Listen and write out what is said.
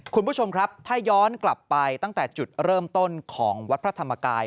คุณผู้ชมครับถ้าย้อนกลับไปตั้งแต่จุดเริ่มต้นของวัดพระธรรมกาย